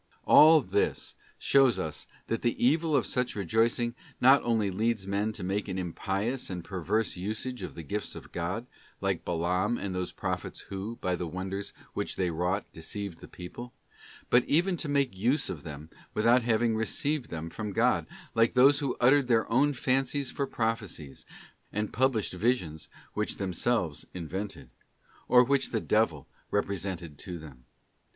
Pad All this shows us that the evil of such rejoicing not only leads men to make an impious and perverse usage of the gifts of God, like Balaam and those prophets who, by the wonders which they wrought, deceived the people; but even to make use of them without having received them from God, like those who uttered their own fancies for prophecies, and published visions which themselves invented, or which the devil represented to them.